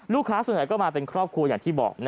ลูกค้าส่วนใหญ่ก็มาเป็นครอบครัวอย่างที่บอก